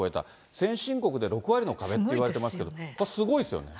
先進国で６割の壁っていわれてますけども、すごいですよね。